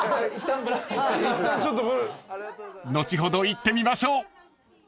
［後ほど行ってみましょう］